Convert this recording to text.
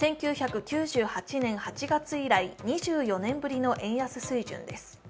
１９９８年８月以来、２４年ぶりの円安水準です。